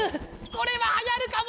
これははやるかも！